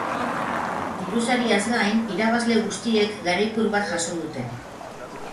Dirusariaz gain, irabazle guztiek garaikur bat jaso dute.